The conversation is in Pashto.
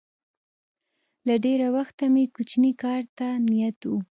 له ډېره وخته مې کوچني کار ته نیت و